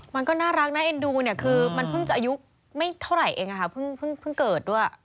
มันก็น่ารักน่าเอ็นดูเนี่ยคือมันเพิ่งจะอายุไม่เท่าไหร่เองเพิ่งเกิดด้วย